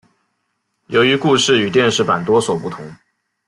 由于故事与电视版多所不同。